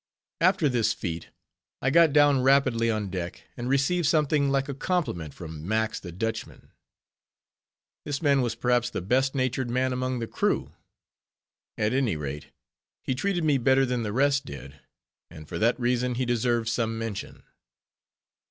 After this feat, I got down rapidly on deck, and received something like a compliment from Max the Dutchman. This man was perhaps the best natured man among the crew; at any rate, he treated me better than the rest did; and for that reason he deserves some mention.